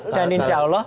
dan insya allah